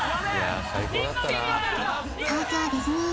東京ディズニー